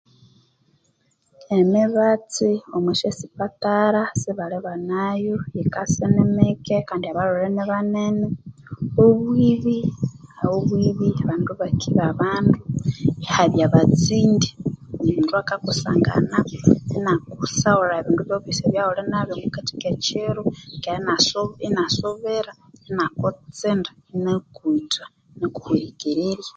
Emibatsi omwa syasipatara sibalibanayo yikasa inimike kandi abalhwere inibanene obwibi obwibi abandu bakiba abandu ihabya abatsindii omundu akakusangana inyakusaghullha ebindu byaghu ebyosi ebyaghulinabyo omukati'kekiro kandi inyasubira inyakutsinda inyakwitha inyakuhwerekererya